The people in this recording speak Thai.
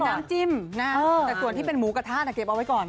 น้ำจิ้มนะแต่ส่วนที่เป็นหมูกระทะเก็บเอาไว้ก่อน